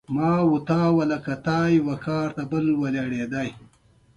آیا د مسمومیت درملنه په طبیعي طریقو سره ممکنه ده؟